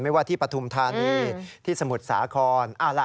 ว่าที่ปฐุมธานีที่สมุทรสาคร